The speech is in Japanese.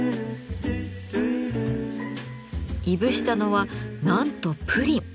いぶしたのはなんとプリン。